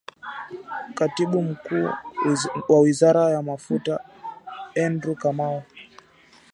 Katibu Mkuu wa Wizara ya Mafuta Andrew Kamau